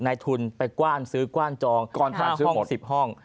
ในทุนไปกว้านซื้อกว้านจอง๕ห้อง๑๐ห้อง